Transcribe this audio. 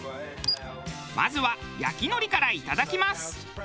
まずは焼き海苔からいただきます。